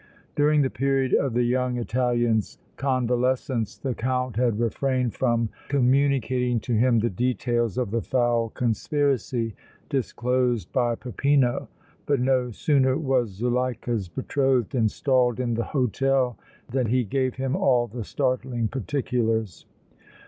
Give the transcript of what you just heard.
During the period of the young Italian's convalescence the Count had refrained from communicating to him the details of the foul conspiracy disclosed by Peppino, but no sooner was Zuleika's betrothed installed in the hôtel than he gave him all the startling particulars.